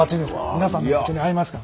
皆さんのお口に合いますか？